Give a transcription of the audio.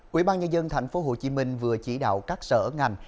quỹ ban nhà dân thành phố hồ chí minh vừa chỉ đạo các sở ngành